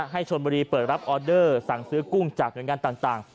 ให้ชนบุรีเปิดรับออเดอร์สั่งซื้อกุ้งจากหน่วยงานต่าง